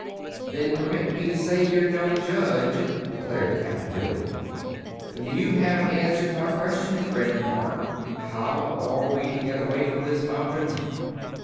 "Then permit me to say you're no judge," declared Cap'n Bill. "But you haven't answered my question, friend Ork. How are we to get away from this mountain?"